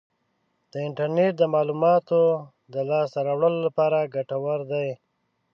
د انټرنیټ د معلوماتو د لاسته راوړلو لپاره ګټور دی.